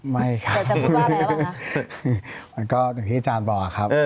ไม่ครับมันก็อย่างที่อาจารย์บอกครับ